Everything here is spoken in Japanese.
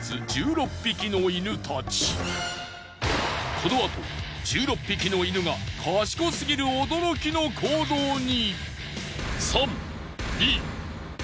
このあと１６匹の犬が賢すぎる驚きの行動に。